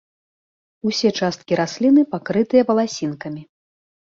Усе часткі расліны пакрытыя валасінкамі.